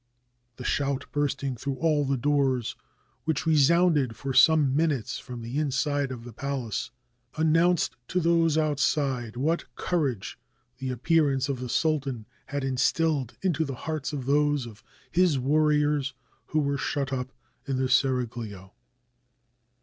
The shout bursting through all the doors, which re sounded for some minutes from the inside of the palace, announced to those outside what courage the appearance of the sultan had instilled into the hearts of those of his warriors who were shut up in the seraglio.